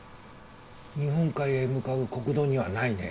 日本海へ向かう国道にはないね。